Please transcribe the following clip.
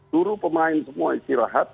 suruh pemain semua istirahat